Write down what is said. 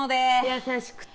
優しくて。